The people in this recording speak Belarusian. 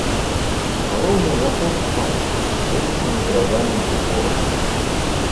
Галоўны ўваход у храм вылучаны драўляным прытворам.